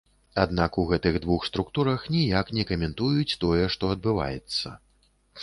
Аднак у гэтых двух структурах ніяк не каментуюць тое, што адбываецца.